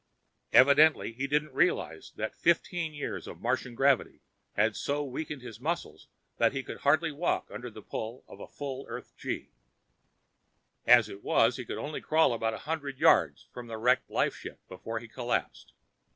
Evidently, he didn't realize that fifteen years of Martian gravity had so weakened his muscles that he could hardly walk under the pull of a full Earth gee. As it was, he could only crawl about a hundred yards from the wrecked lifeship before he collapsed.